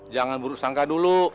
jangan buruk sangka dulu